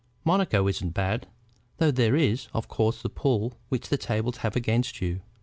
"Monaco isn't bad, though there is, of course, the pull which the tables have against you.